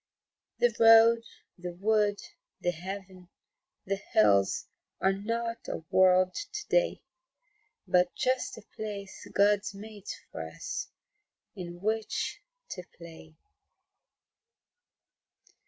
The road, the wood, the heaven, the hills Are not a World to day But just a place God's made for us In which to play.